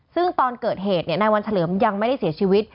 ซึ่งตอนเกิดเหตุนายวันเฉลิมยังไม่ได้เสียชีวิต